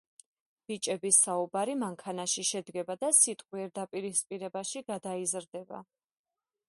ბიჭების საუბარი მანქანაში შედგება და სიტყვიერ დაპირისპირებაში გადაიზრდება.